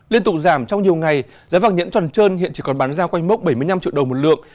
liên tục giảm trong nhiều ngày giá vàng nhẫn tròn trơn hiện chỉ còn bán ra quanh mốc bảy mươi năm triệu đồng một lượng